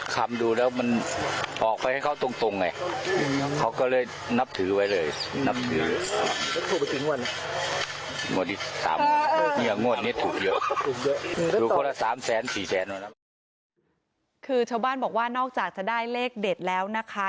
คือชาวบ้านบอกว่านอกจากจะได้เลขเด็ดแล้วนะคะ